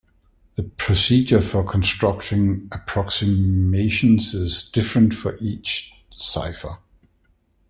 The procedure for constructing approximations is different for each cipher.